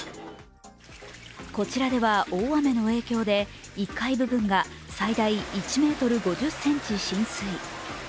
こちらでは大雨の影響で１階部分が最大１ｍ５０ｃｍ浸水。